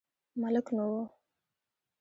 ملک نه و.